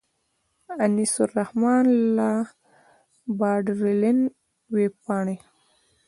انیس الرحمن له باډرلاین وېبپاڼې.